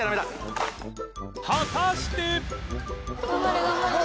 果たして！？